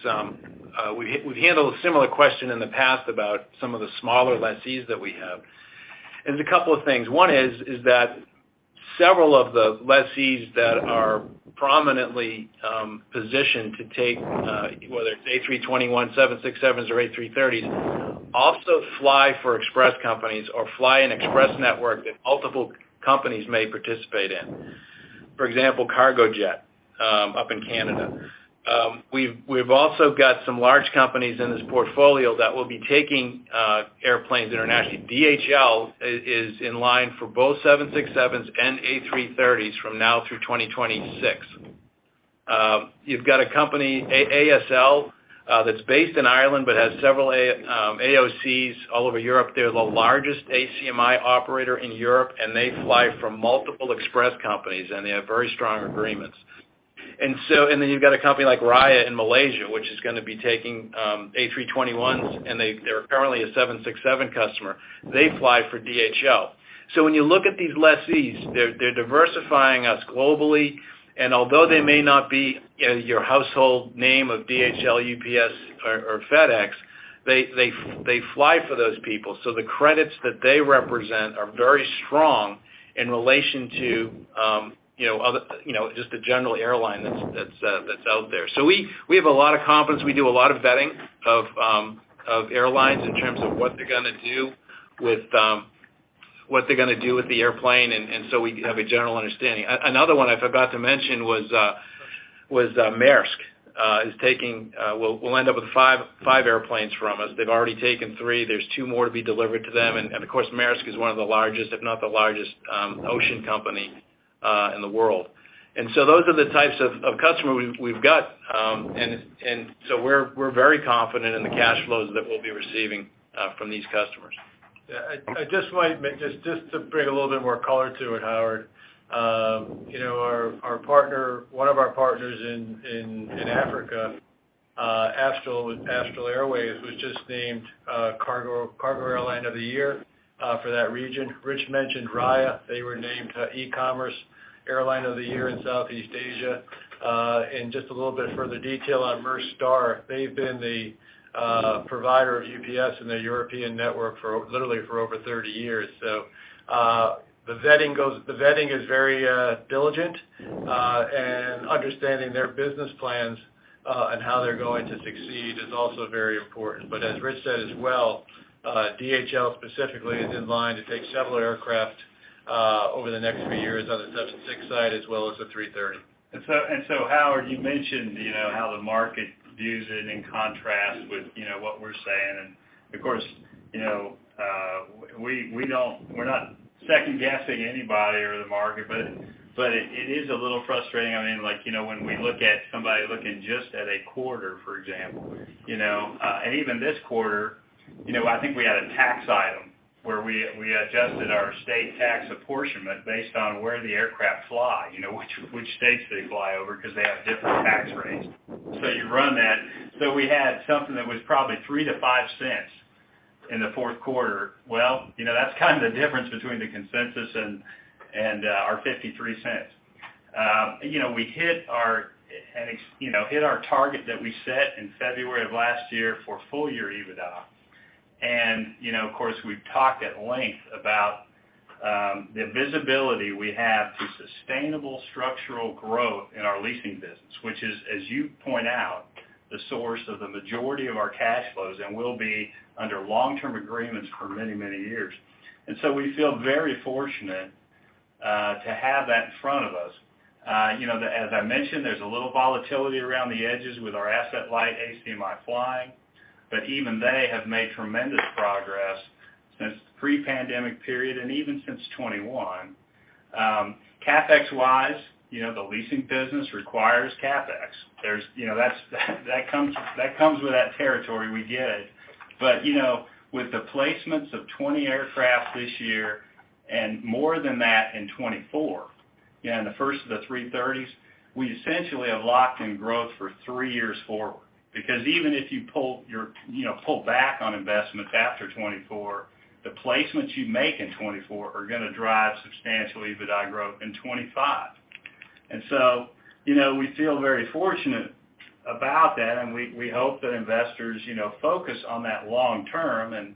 a similar question in the past about some of the smaller lessees that we have. There's a couple of things. One is that several of the lessees that are prominently positioned to take, whether it's A321, 767s or A330s, also fly for express companies or fly an express network that multiple companies may participate in. For example, Cargojet up in Canada. We've also got some large companies in this portfolio that will be taking airplanes internationally. DHL is in line for both 767s and A330s from now through 2026. You've got a company, ASL, that's based in Ireland but has several AOCs all over Europe. They're the largest ACMI operator in Europe, and they fly for multiple express companies, and they have very strong agreements. Then you've got a company like Raya in Malaysia, which is gonna be taking A321s, and they're currently a 767 customer. They fly for DHL. When you look at these lessees, they're diversifying us globally. Although they may not be, you know, your household name of DHL, UPS, or FedEx, they fly for those people. The credits that they represent are very strong in relation to, you know, other, you know, just the general airline that's, that's out there. We, we have a lot of confidence. We do a lot of vetting of airlines in terms of what they're gonna do with the airplane, so we have a general understanding. Another one I forgot to mention was Maersk is taking. Will end up with five airplanes from us. They've already taken three. There's two more to be delivered to them. Of course, Maersk is one of the largest, if not the largest, ocean company in the world. Those are the types of customer we've got, and so we're very confident in the cash flows that we'll be receiving from these customers. Yeah. Just to bring a little bit more color to it, Howard. You know, our partner, one of our partners in Africa, Astral Aviation, was just named cargo airline of the year for that region. Rich mentioned Raya. They were named e-commerce airline of the year in Southeast Asia. Just a little bit further detail on Mirastar. They've been the provider of UPS in their European network for, literally for over 30 years. The vetting is very diligent, and understanding their business plans and how they're going to succeed is also very important. As Rich said as well, DHL specifically is in line to take several aircraft over the next few years on the 767 side as well as the A330. Howard, you mentioned, you know, how the market views it in contrast with, you know, what we're saying. Of course, you know, we're not second-guessing anybody or the market, but it is a little frustrating. I mean, like, you know, when we look at somebody looking just at a quarter, for example. Even this quarter, you know, I think we had a tax item where we adjusted our state tax apportionment based on where the aircraft fly, you know, which states they fly over 'cause they have different tax rates. You run that. We had something that was probably $0.03-$0.05. In the fourth quarter. Well, you know, that's kind of the difference between the consensus and, our $0.53. You know, we hit our target that we set in February of last year for full year EBITDA. You know, of course, we've talked at length about, the visibility we have to sustainable structural growth in our leasing business, which is, as you point out, the source of the majority of our cash flows and will be under long-term agreements for many, many years. So we feel very fortunate, to have that in front of us. You know, as I mentioned, there's a little volatility around the edges with our asset light ACMI flying, but even they have made tremendous progress since pre-pandemic period and even since 2021. CapEx-wise, you know, the leasing business requires CapEx. There's, you know, that comes with that territory we get. With the placements of 20 aircraft this year and more than that in 2024, and the first of the A330s, we essentially have locked in growth for three years forward. Even if you pull your, you know, pull back on investments after 2024, the placements you make in 2024 are gonna drive substantial EBITDA growth in 2025. We feel very fortunate about that, and we hope that investors, you know, focus on that long term and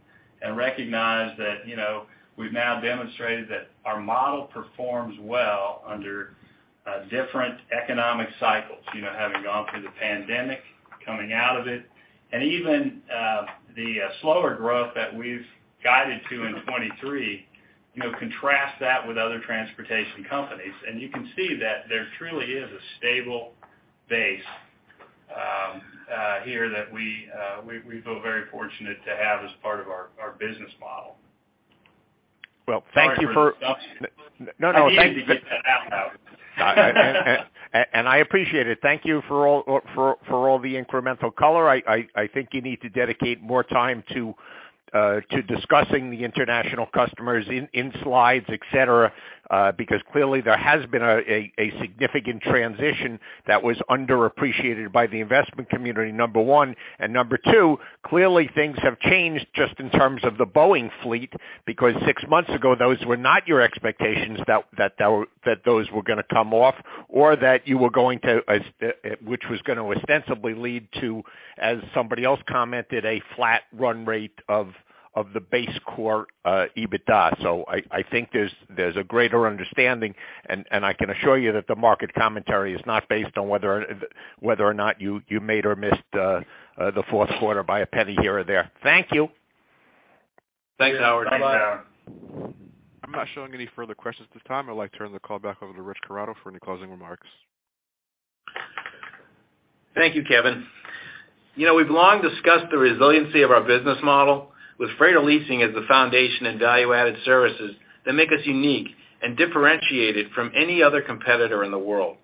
recognize that, you know, we've now demonstrated that our model performs well under different economic cycles. You know, having gone through the pandemic, coming out of it, and even the slower growth that we've guided to in 2023, you know, contrast that with other transportation companies, and you can see that there truly is a stable base here that we feel very fortunate to have as part of our business model. Well, thank you. Sorry for. No, no. I needed to get that out now. I appreciate it. Thank you for all the incremental color. I think you need to dedicate more time to discussing the international customers in slides, et cetera, because clearly there has been a significant transition that was underappreciated by the investment community, number one. Number two, clearly things have changed just in terms of the Boeing fleet, because six months ago, those were not your expectations that those were gonna come off or that you were going to, as which was gonna ostensibly lead to, as somebody else commented, a flat run rate of the base core EBITDA. I think there's a greater understanding, and I can assure you that the market commentary is not based on whether or not you made or missed the fourth quarter by a penny here or there. Thank you. Thanks, Howard. Bye-bye. Thanks, Howard. I'm not showing any further questions at this time. I'd like to turn the call back over to Rich Corrado for any closing remarks. Thank you, Kevin. You know, we've long discussed the resiliency of our business model with freighter leasing as the foundation and value-added services that make us unique and differentiated from any other competitor in the world.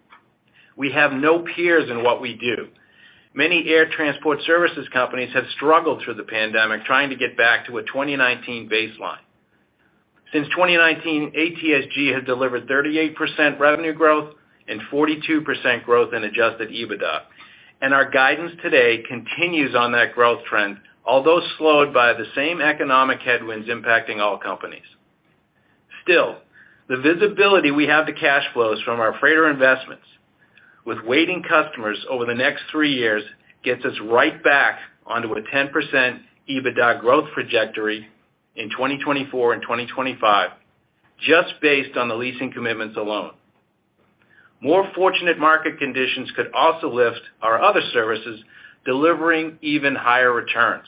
We have no peers in what we do. Many air transport services companies have struggled through the pandemic, trying to get back to a 2019 baseline. Since 2019, ATSG has delivered 38% revenue growth and 42% growth in Adjusted EBITDA. Our guidance today continues on that growth trend, although slowed by the same economic headwinds impacting all companies. Still, the visibility we have to cash flows from our freighter investments with waiting customers over the next three years, gets us right back onto a 10% EBITDA growth trajectory in 2024 and 2025, just based on the leasing commitments alone. More fortunate market conditions could also lift our other services, delivering even higher returns.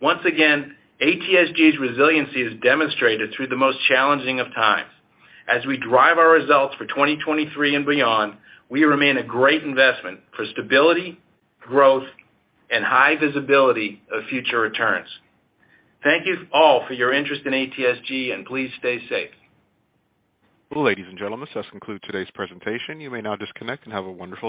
Once again, ATSG's resiliency is demonstrated through the most challenging of times. As we drive our results for 2023 and beyond, we remain a great investment for stability, growth, and high visibility of future returns. Thank you all for your interest in ATSG, and please stay safe. Well, ladies and gentlemen, this does conclude today's presentation. You may now disconnect and have a wonderful day.